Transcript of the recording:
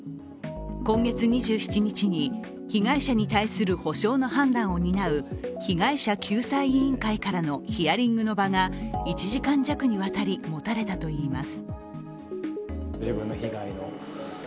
今月２７日に、被害者に対する補償の判断を担う被害者救済委員会からのヒアリングの場が１時間弱にわたり持たれたといいます。